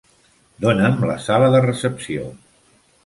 Dóna'm la sala de recepció.